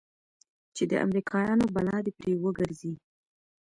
چې د امريکايانو بلا دې پر وګرځي.